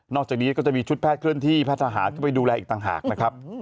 จากนี้ก็จะมีชุดแพทย์เคลื่อนที่แพทย์ทหารเข้าไปดูแลอีกต่างหากนะครับ